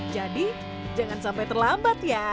jadi jangan sampai terlambat ya